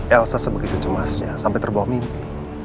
elsa sebegitu cemasnya sampai terbawah mimpi